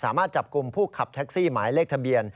สามารถจับกลุ่มผู้ขับแท็กซี่